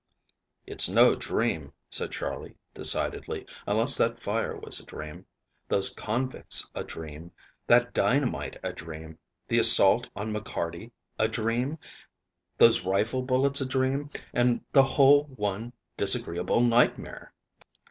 "It's no dream," said Charley decidedly, "unless that fire was a dream, those convicts a dream, that dynamite a dream, the assault on McCarty a dream, those rifle bullets a dream, and the whole one disagreeable nightmare."